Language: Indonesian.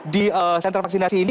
di senter vaksinasi ini